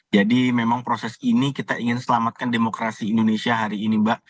jadi memang proses ini kita ingin selamatkan demokrasi indonesia hari ini mbak